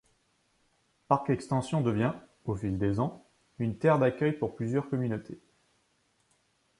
Parc-Extension devient, au fil des ans, une terre d’accueil pour plusieurs communautés.